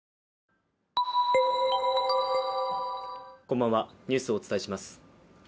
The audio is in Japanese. こんばんはニュースをお伝えします